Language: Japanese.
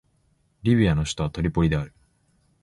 リビアの首都はトリポリである